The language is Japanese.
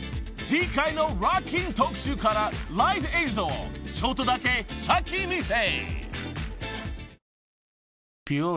次回のロッキン特集からライブ映像をちょっとだけ先見せ］